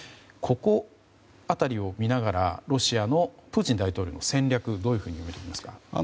この辺りを見ながらロシアのプーチン大統領、戦略はどういうふうに見ていますか？